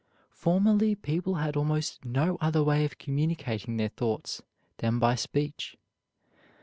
Formerly people had almost no other way of communicating their thoughts than by speech.